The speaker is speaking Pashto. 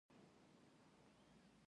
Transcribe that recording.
پکتیکا د افغانانو ژوند اغېزمن کوي.